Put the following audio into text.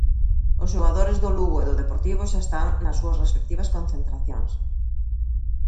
Os xogadores do Lugo e do Deportivo xa está nas súas respectivas concentracións.